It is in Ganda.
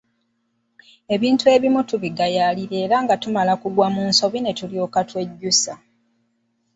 Ebintu ebimu tubigayaalirira era nga tumala kugwa mu nsobi ne tulyoka twejjusa.